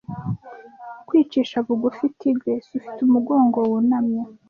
kwicisha bugufi tigress ufite umugongo wunamye